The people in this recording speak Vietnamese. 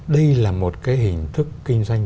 đây là một hình thức kinh doanh